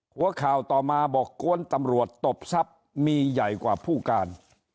หัวข่าวต่อมาบอกกวนตำรวจตบทรัพย์มีใหญ่กว่าผู้การ